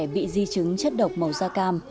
bị di chứng chất độc màu gia cam